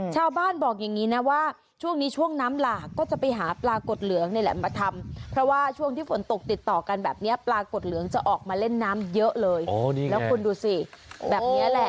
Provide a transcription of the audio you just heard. ชาวบ้านบอกอย่างนี้นะว่าช่วงนี้ช่วงน้ำหลาก็จะไปหาปลากดเหลืองเนี่ยแหละมาทำ